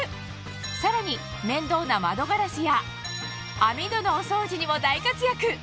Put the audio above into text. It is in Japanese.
さらに面倒な窓ガラスや網戸のお掃除にも大活躍！